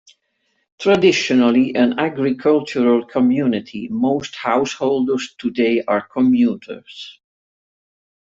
Traditionally an agricultural community, most householders today are commuters.